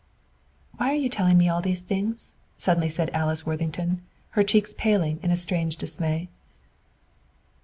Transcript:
"Why are you telling me all these things?" suddenly said Alice Worthington, her cheeks paling in a strange dismay.